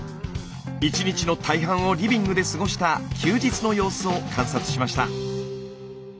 １日の大半をリビングで過ごした休日の様子を観察しました。